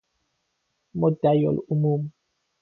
مدعیالعموم